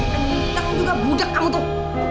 kenceng juga budak kamu tuh